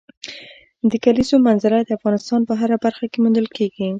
د کلیزو منظره د افغانستان په هره برخه کې موندل کېږي.